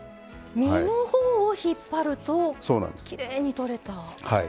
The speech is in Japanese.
身のほうを引っ張るときれいに取れた。